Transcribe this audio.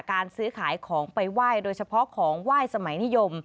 การซื้อขายของไปไหว้โดยเฉพาะของไหว้สมัยนิยม